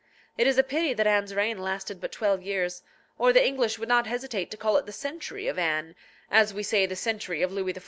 It is a pity that Anne's reign lasted but twelve years, or the English would not hesitate to call it the century of Anne, as we say the century of Louis XIV.